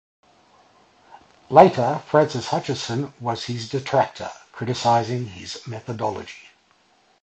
Later Francis Hutchinson was his detractor, criticising his methodology.